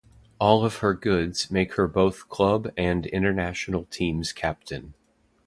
All of her goods make her both club and international team's captain.